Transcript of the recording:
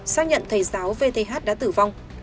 xác nhận thầy giáo vth đã tử vong